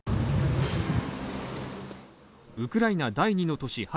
ウクライナ第２の都市